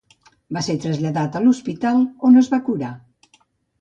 Va ser traslladat a l'hospital, on es va curar.